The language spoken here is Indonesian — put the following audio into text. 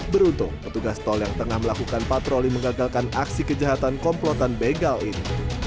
beruntung petugas tol yang tengah melakukan patroli mengagalkan aksi kejahatan komplotan begal ini